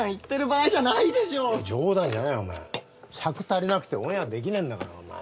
尺足りなくてオンエアできねえんだからお前。